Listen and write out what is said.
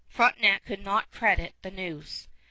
Frontenac could not credit the news.